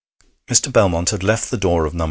Mr. Belmont had left the door of No.